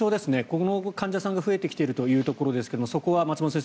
この患者さんが増えてきているということですがそこは松本先生